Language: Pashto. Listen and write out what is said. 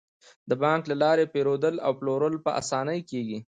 د بانک له لارې پيرودل او پلورل په اسانۍ کیږي.